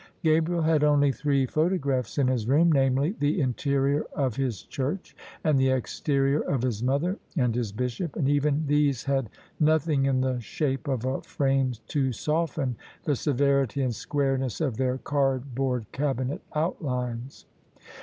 Gabriel had only three photographs in his room — namely the interior of his church, and the exterior of his mother and his Bishop: and even these had nothing in the shape of a frame to soften the severity and squareness of their cardboard cabinet outlines.